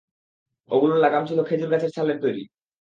ওগুলোর লাগাম ছিল খেজুর গাছের ছালের তৈরি।